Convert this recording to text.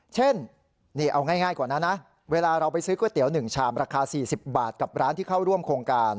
เช่นนี่เอาง่ายกว่านั้นนะเวลาเราไปซื้อก๋วยเตี๋ยว๑ชามราคา๔๐บาทกับร้านที่เข้าร่วมโครงการ